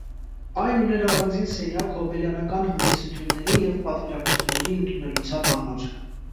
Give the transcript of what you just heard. Այն ուներ առանձին սենյակ հոբելյանական հանդիսությունների և պատվիրակությունների ընդունելության համար։